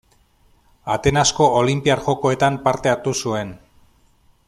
Atenasko Olinpiar Jokoetan parte hartu zuen.